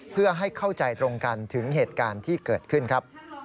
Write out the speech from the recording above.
เพื่อให้เข้าใจตรงกันถึงเหตุการณ์ที่เกิดขึ้นครับ